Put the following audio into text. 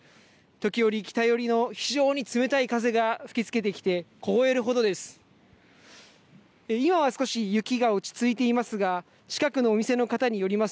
時折、北寄りの非常に冷たい風が吹きつけてき凍えるほどです。